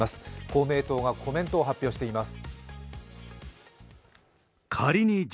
公明党がコメントを発表しています。